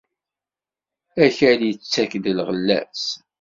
Akal ittak-d lɣella-s.